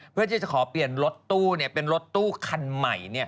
เพื่อที่จะขอเปลี่ยนรถตู้เป็นรถตู้คันใหม่